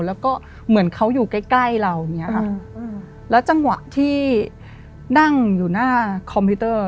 แล้วก็เหมือนเขาอยู่ใกล้ใกล้เราอย่างเงี้ยค่ะอืมแล้วจังหวะที่นั่งอยู่หน้าคอมพิวเตอร์